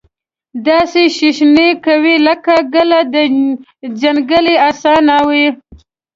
داسي شیشنی کوي لکه ګله د ځنګلې اسانو